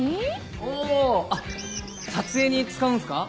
おあっ撮影に使うんすか？